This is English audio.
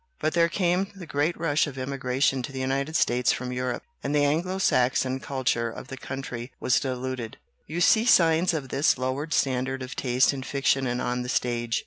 But there came the great rush of immigration to the United States from Europe, and the Anglo Saxon culture of the country was diluted. "You see signs of this lowered standard of taste in fiction and on the stage.